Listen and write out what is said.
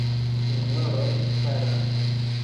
Sinjoroj, karaj!